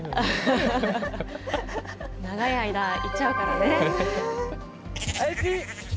長い間いちゃうからね。